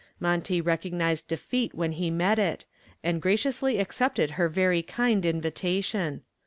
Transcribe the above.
Monty recognized defeat when he met it, and graciously accepted her very kind invitation.